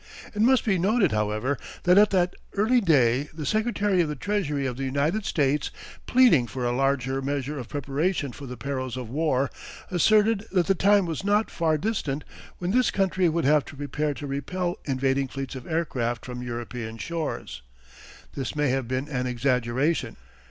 It must be noted, however, that at that early day the Secretary of the Treasury of the United States, pleading for a larger measure of preparation for the perils of war, asserted that the time was not far distant when this country would have to prepare to repel invading fleets of aircraft from European shores. This may have been an exaggeration.